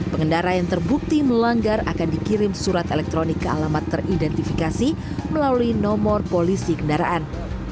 pengendara yang terbukti melanggar akan dikirim surat elektronik ke alamat teridentifikasi melalui nomor polisi kendaraan